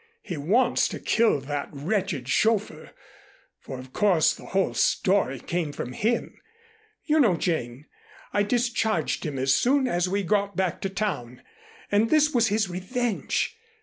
He wants to kill that wretched chauffeur, for of course the whole story came from him. You know, Jane, I discharged him as soon as we got back to town, and this was his revenge.